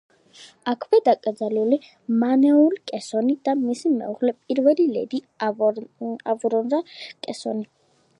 აქვეა დაკრძალული მანუელ კესონი და მისი მეუღლე, პირველი ლედი ავრორა კესონი.